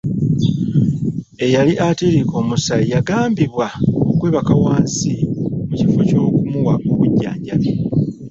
Eyali attiirika omusaayi yagambibwa kwebaka wansi mu kifo ky'okumuwa obujjanjabi.